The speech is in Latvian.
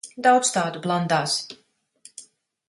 Daudz tādu blandās.